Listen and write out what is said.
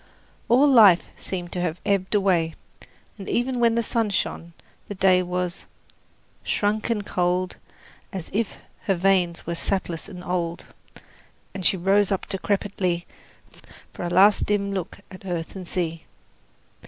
All life seemed to have ebbed away, and even when the sun shone the day was Shrunk and cold, As if her veins were sapless and old, And she rose up decrepitly For a last dim look at earth and sea.